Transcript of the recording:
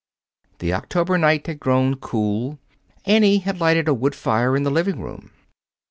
The October night had grown cool. Annie had lighted a wood fire in the living room.